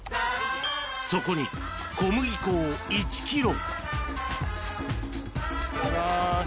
そこに小麦粉を１キロ。